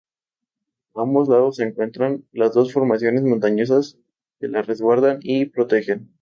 A ambos lados se encuentran las dos formaciones montañosas que la resguardan y protegen.